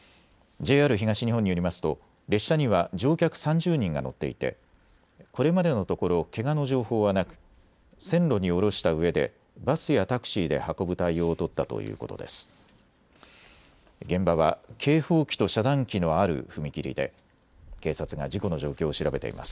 ＪＲ東日本によりますと列車には乗客３０人が乗っていてこれまでのところけがの情報はなく線路に降ろしたうえでバスやタクシーで運ぶ対応を取ったということです。